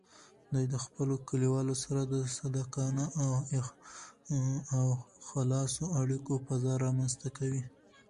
دوی د خپلو کلیوالو سره د صادقانه او خلاصو اړیکو فضا رامینځته کوي.